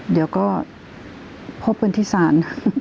เดี๋ยวก็พบกันที่ศาล